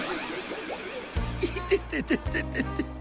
いてててててて。